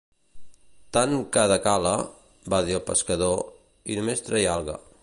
Tant cada cala, va dir el pescador, i només treia alga.